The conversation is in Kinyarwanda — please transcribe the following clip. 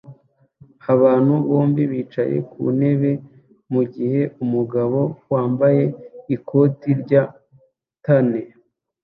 Abantu bombi bicaye ku ntebe mu gihe umugabo wambaye ikote rya tan